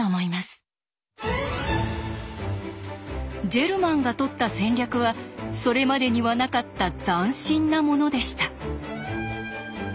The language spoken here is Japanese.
ジェルマンがとった戦略はそれまでにはなかった斬新なものでした。